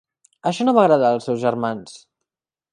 Això no va agradar als seus germans.